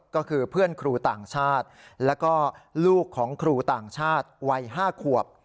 ก็คือเพื่อนครูต่างชาติแล้วก็ลูกของครูต่างชาติวัย๕ขวบ